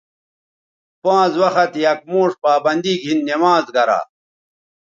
پانز وخت یک موݜ پابندی گھن نمازگرا